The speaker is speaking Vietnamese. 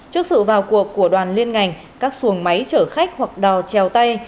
trước sự vào cuộc của đoàn liên ngành các xuồng máy chở khách hoặc đò treo tay